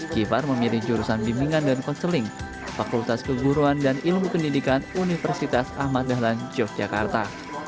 givhar memilih jurusan bimbingan dan konseling fakultas keguruan dan ilmu pendidikan universitas ahmad dahlan yogyakarta